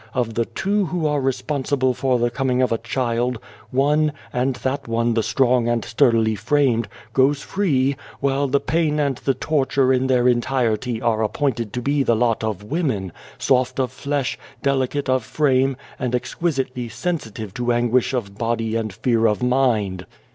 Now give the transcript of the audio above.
Of the two who are responsible for the coming of a child, one, and that one the strong and sturdily framed, goes free, while the pain and the torture in their entirety are appointed to be the lo* of women, soft of flesh, delicate of frame, and exquisitely sensitive to anguish of body and fear of mind.